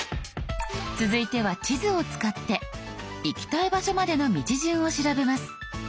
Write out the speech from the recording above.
続いては地図を使って行きたい場所までの道順を調べます。